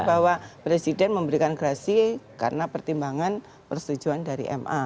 bahwa presiden memberikan gerasi karena pertimbangan persetujuan dari ma